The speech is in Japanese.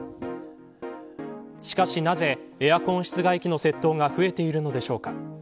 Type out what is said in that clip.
しかしなぜ、エアコン室外機の窃盗が増えているのでしょうか。